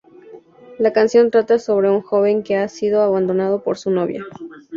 La canción trata sobre un joven que ha sido abandonado por su novia.